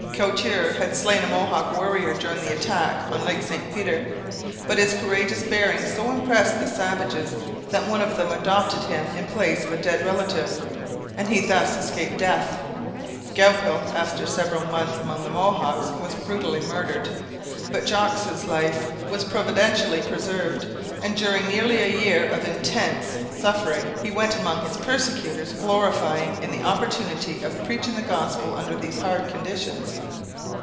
Couture had slain a Mohawk warrior during the attack on Lake St Peter; but his courageous bearing so impressed the savages that one of them adopted him in place of a dead relative, and he thus escaped death. Goupil, after several months among the Mohawks, was brutally murdered. But Jogues's life was providentially preserved, and during nearly a year, a year of intense suffering, he went among his persecutors glorying in the opportunity of preaching the Gospel under these hard conditions.